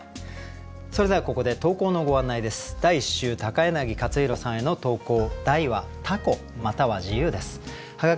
それではここで投稿のご案内です。